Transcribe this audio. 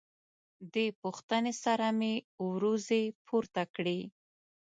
دې پوښتنې سره مې وروځې پورته کړې.